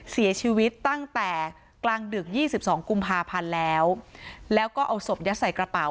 เสียชีวิตตั้งแต่กลางดึกยี่สิบสองกุมภาพันธ์แล้วแล้วก็เอาศพยัดใส่กระเป๋า